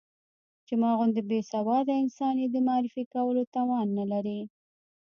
چې ما غوندې بې سواده انسان يې د معرفي کولو توان نه لري.